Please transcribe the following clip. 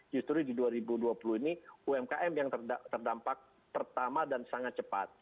justru di dua ribu dua puluh ini umkm yang terdampak pertama dan sangat cepat